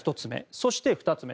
そして２つ目。